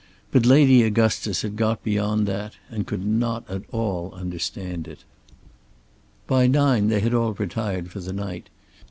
But Lady Augustus had got beyond that and could not at all understand it. By nine they had all retired for the night.